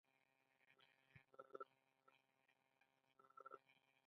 دا د ښکارچیانو څخه د خلاصون لاره ده